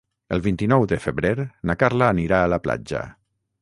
El vint-i-nou de febrer na Carla anirà a la platja.